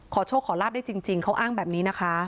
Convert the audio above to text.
โชคขอลาบได้จริงเขาอ้างแบบนี้นะคะ